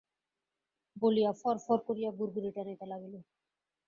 বলিয়া ফড়ফড় করিয়া গুড়গুড়ি টানিতে লাগিল।